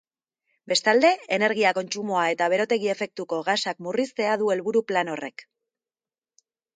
Bestalde, energia kontsumoa eta berotegi-efektuko gasak murriztea du helburu plan horrek.